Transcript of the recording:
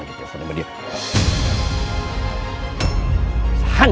hancur perusahaanku kalau kayak gini